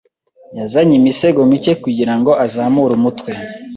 Yazanye imisego mike kugirango azamure umutwe.